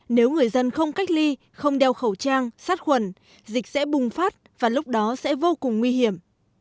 nếu người dân không cách ly không đeo khẩu trang sát khuẩn dịch sẽ bùng phát và lúc đó sẽ vô cùng nguy hiểm